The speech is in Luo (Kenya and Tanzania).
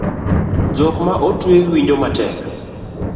Jok ma otwe winjo matek